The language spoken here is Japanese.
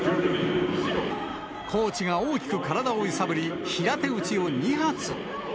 コーチが大きく体を揺さぶり、平手打ちを２発。